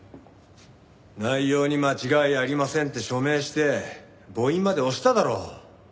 内容に間違いありませんって署名して母印まで押しただろ。